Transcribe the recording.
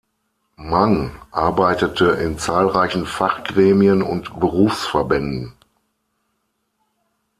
Mang arbeitete in zahlreichen Fachgremien und Berufsverbänden.